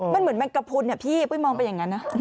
มันเหมือนแมงกระพุนพี่ปุ้ยมองไปอย่างนั้นนะ